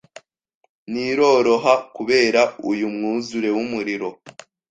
Ntiroroha kubera uyu mwuzure wumuriro